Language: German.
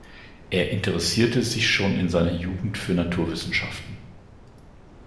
Er interessierte sich schon in seiner Jugend für Naturwissenschaften.